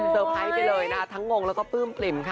ไพรส์ไปเลยนะคะทั้งงงแล้วก็ปลื้มปลิ่มค่ะ